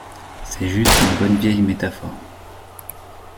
c'est juste une bonne vieille métaphore.